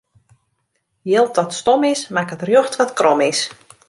Jild dat stom is, makket rjocht wat krom is.